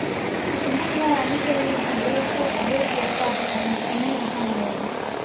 Sikumbuki mara ya mwisho lini tuliwahi kuwa na beki wa kati aliyetimia kama yeye